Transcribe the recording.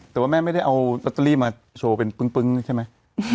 แต่ว่าแม่ไม่ได้เอาลอตเตอรี่มาโชว์เป็นปึ้งใช่ไหม